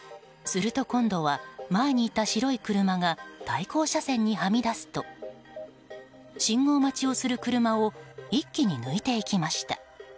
すると今度は、前にいた白い車が対向車線にはみ出すと信号待ちをする車を一気に抜いていきました。